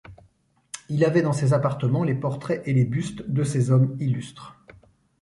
Il avait dans ses appartements les portraits et les bustes de ces hommes illustres.